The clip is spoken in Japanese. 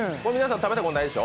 食べたことないでしょ？